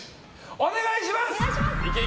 お願いします！